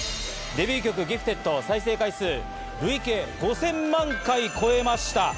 デビュー曲『Ｇｉｆｔｅｄ．』、再生回数、累計５０００万回超えました。